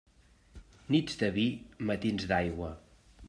Nits de vi, matins d'aigua.